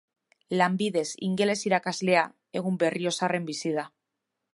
Lanbidez ingeles irakaslea, egun Berriozarren bizi da.